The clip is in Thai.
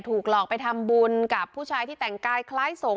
ถูกหลอกไปทำบุญกับผู้ชายที่แต่งกายคล้ายสงฆ